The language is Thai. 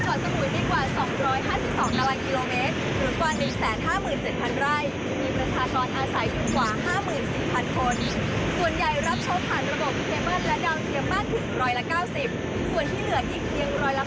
ส่วนใหญ่รับชมผ่านระบบพิเคเบิ้ลและดาวเทียมมากถึง๑๙๐